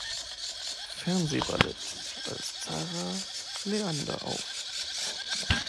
Fernsehballett als Zarah Leander auf.